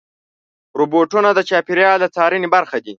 روبوټونه د چاپېریال د څارنې برخه دي.